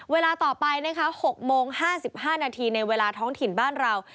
เวลาต่อไปนะคะ๖โมง๕๕นาทีในเวลาท้องถิ่นบ้านเรา